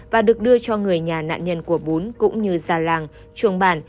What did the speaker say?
và được đưa cho người nhà nạn nhân của bún cũng như gia làng chuồng bàn